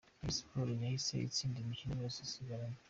Rayon Sports yahize gutsinda imikino yose isigaranye.